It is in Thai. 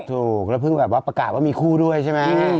ถูกแล้วเพิ่งแบบว่าประกาศว่ามีคู่ด้วยใช่ไหม